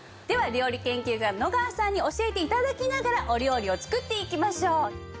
では料理研究家の野川さんに教えて頂きながらお料理を作っていきましょう。